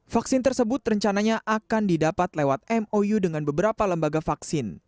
vaksin tersebut rencananya akan didapat lewat mou dengan beberapa lembaga vaksin